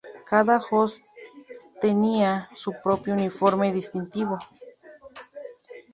Cada "host" tenían su propio uniforme distintivo.